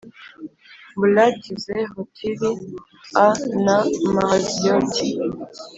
Maloti z Hotiri a na Mahaziyoti